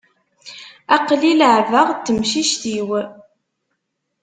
Aql-i leεεbeɣ d temcict-iw.